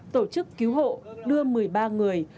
tổ chức cứu hộ đưa một mươi ba người